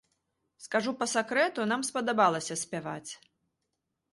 Скажу па сакрэту, нам спадабалася спяваць.